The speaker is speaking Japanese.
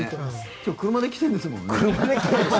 今日、車で来てるんですもんね。